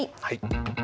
はい。